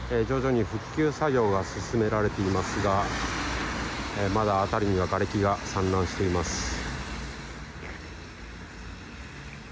徐々に復旧作業が進められていますがまだ辺りにはがれきが散乱しています。